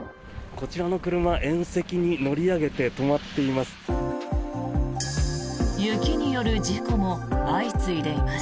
こちらの車縁石に乗り上げて止まっています。